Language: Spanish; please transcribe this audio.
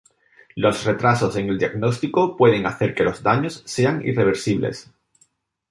Los retrasos en el diagnóstico pueden hacer que los daños sean irreversibles.